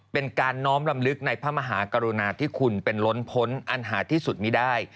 เป็นการน้อมรำลึกในพระมหากรุณาที่คุณเป็นล้นพ้นอันหาที่สุดมีได้